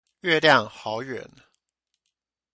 月亮好遠